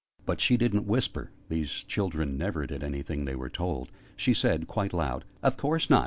But she didn't whisper (these children never did anything they were told): she said, quite loud, "Of course not!